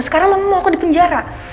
sekarang memang mau aku di penjara